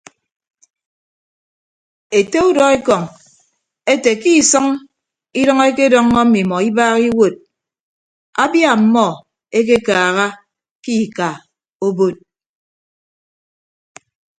Ete udọekọñ ete ke isʌñ idʌñ ekedọññọ mmimọ ibaaha iwuod abia ọmmọ ekekaaha ke ika obod.